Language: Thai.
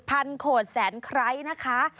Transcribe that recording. โขดแสนไคร้นะคะ